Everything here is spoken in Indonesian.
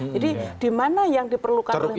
jadi dimana yang diperlukan oleh masyarakat